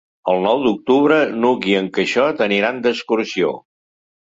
El nou d'octubre n'Hug i en Quixot aniran d'excursió.